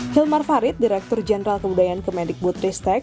hilmar farid direktur jenderal kebudayaan kemendikbud ristek